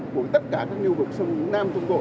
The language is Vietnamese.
của tất cả các nêu vực sông nam trung tội